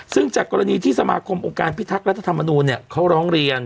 ซึ่งจากกรณีที่สมาคมองค์การพิทักษ์รัฐธรรมนูลเขาร้องเรียน